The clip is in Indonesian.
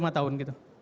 selama lima tahun